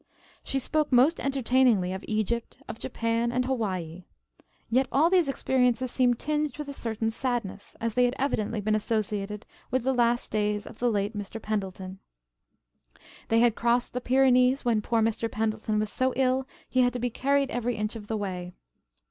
She spoke most entertainingly of Egypt, of Japan and Hawaii. Yet all these experiences seemed tinged with a certain sadness, as they had evidently been associated with the last days of the late Mr. Pendleton. They had crossed the Pyrenees when "poor Mr. Pendleton was so ill he had to be carried every inch of the way."